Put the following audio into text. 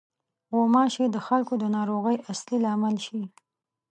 غوماشې د خلکو د ناروغۍ اصلي لامل شي.